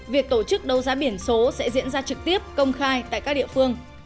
việc tổ chức đấu giá biển số sẽ diễn ra trực tiếp công khai tại các địa phương